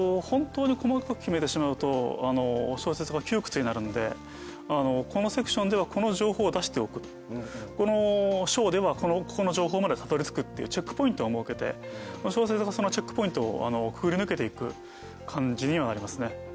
本当に細かく決めてしまうと小説が窮屈になるんでこのセクションではこの情報を出しておくこの章ではここの情報までたどりつくっていうチェックポイントを設けて小説がそのチェックポイントをくぐり抜けていく感じにはなりますね。